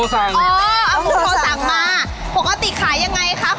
เอ้าเอาโทรสั่งมาครับปกติขายยังไงครับ